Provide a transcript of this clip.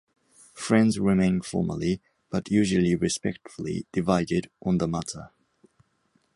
Friends remain formally, but usually respectfully, divided on the matter.